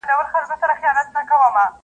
د وزر او د لکۍ په ننداره سو٫